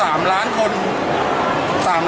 แล้วถ้าวันที่๒๒มันก็จะเกินของ๑๓ล้านคน